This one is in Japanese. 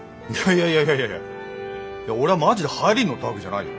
いやいやいやいや俺はマジで流行に乗ったわけじゃないよ。